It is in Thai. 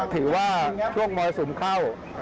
ถือว่าช่วงมรสุมเข้า